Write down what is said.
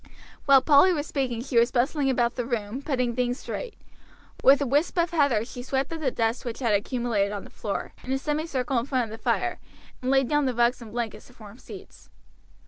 While Polly was speaking she was bustling about the room, putting things straight; with a wisp of heather she swept up the dust which had accumulated on the floor, in a semicircle in front of the fire, and laid down the rugs and blankets to form seats.